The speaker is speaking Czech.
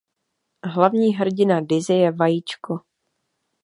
Hlavní hrdina Dizzy je vajíčko.